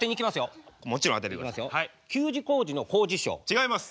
違います。